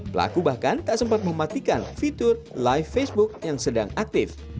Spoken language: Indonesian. pelaku bahkan tak sempat mematikan fitur live facebook yang sedang aktif